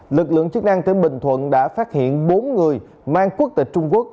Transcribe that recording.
lực lượng chức năng tỉnh bình thuận đã phát hiện bốn người mang quốc tịch trung quốc